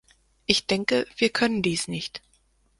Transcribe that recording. Ich denke, wir können dies nicht.